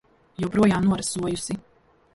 Joprojām norasojusi.